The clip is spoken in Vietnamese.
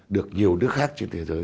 được nhiều nước khác trên thế giới